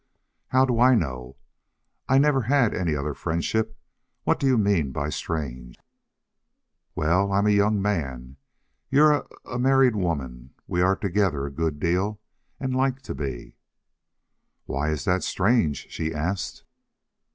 "How do I know? I never had any other friendship. What do you mean by strange?" "Well, I'm a young man. You're a a married woman. We are together a good deal and like to be." "Why is that strange?" she asked.